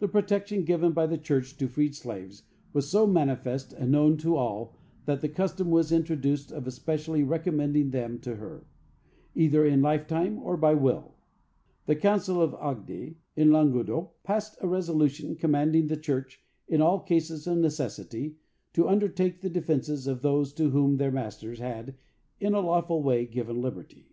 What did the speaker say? The protection given by the church to freed slaves was so manifest and known to all, that the custom was introduced of especially recommending them to her, either in lifetime or by will. The Council of Agde, in Languedoc, passed a resolution commanding the church, in all cases of necessity, to undertake the defence of those to whom their masters had, in a lawful way, given liberty.